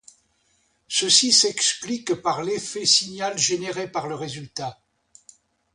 Ceci s'explique par l'effet signal généré par le résultat.